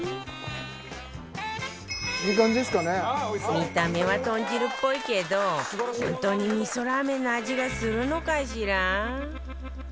見た目は豚汁っぽいけど本当に味噌ラーメンの味がするのかしら？